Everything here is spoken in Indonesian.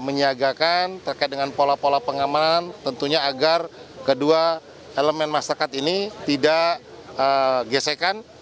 menyiagakan terkait dengan pola pola pengamanan tentunya agar kedua elemen masyarakat ini tidak gesekan